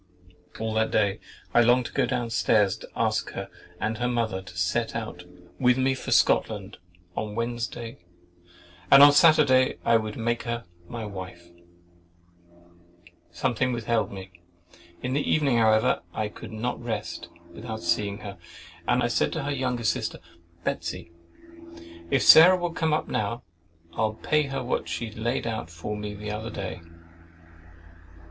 — All that day I longed to go down stairs to ask her and her mother to set out with me for Scotland on Wednesday, and on Saturday I would make her my wife. Something withheld me. In the evening, however, I could not rest without seeing her, and I said to her younger sister, "Betsey, if Sarah will come up now, I'll pay her what she laid out for me the other day."